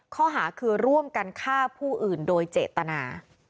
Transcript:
ข้อหาคือร่วมกันฆ่าผู้อื่นโดยเจตนา